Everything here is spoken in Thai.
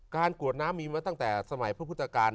กรวดน้ำมีมาตั้งแต่สมัยพระพุทธกาล